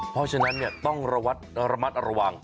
เพราะฉะนั้นต้องระมัดระวัง